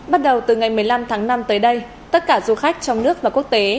bắt đầu từ ngày một mươi năm tháng năm tới đây tất cả du khách trong nước và quốc tế